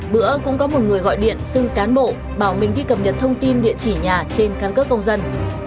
bữa cũng có một người gọi điện xưng cán bộ bảo mình ghi cập nhật thông tin địa chỉ nhà trên căn cước công dân